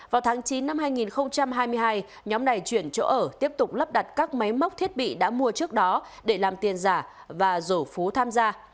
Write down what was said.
vào tháng chín năm hai nghìn hai mươi hai nhóm này chuyển chỗ ở tiếp tục lắp đặt các máy móc thiết bị đã mua trước đó để làm tiền giả và rổ phú tham gia